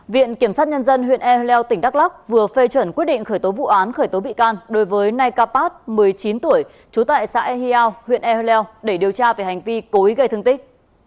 viện kiểm sát nhân dân huyện ehleu tỉnh đắk lắc vừa phê chuẩn quyết định khởi tố vụ án khởi tố bị can đối với nay capat một mươi chín tuổi trú tại xã eheao huyện ehleo để điều tra về hành vi cối gây thương tích